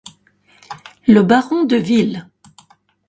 Le baron de Ville.